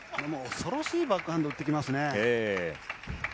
恐ろしいバックハンド打ってきますね。